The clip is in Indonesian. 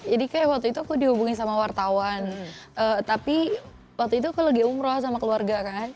jadi kayak waktu itu aku dihubungi sama wartawan tapi waktu itu aku lagi umroh sama keluarga kan